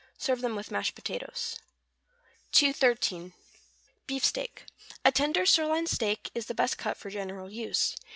Serve them with mashed potatoes. 213. =Beefsteak.= A tender sirloin steak is the best cut for general use.